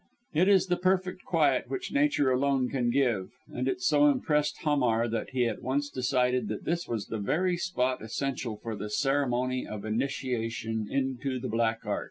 It is the perfect quiet which Nature alone can give; and it so impressed Hamar that he at once decided that this was the very spot essential for the ceremony of initiation into the Black Art.